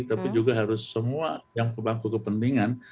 tapi juga harus semua yang pemangku kepentingan